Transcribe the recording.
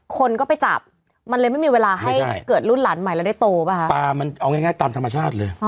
คนก็ไปจับมันเลยไม่มีเวลาให้เกิดรุ่นหลานใหม่แล้วได้โตป่ะคะปลามันเอาง่ายง่ายตามธรรมชาติเลย